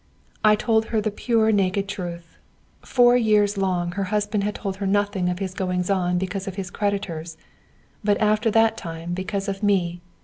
I told her the pure naked truth. Four years long her husband had told her nothing of his goings on because of his creditors, but after that time because of me.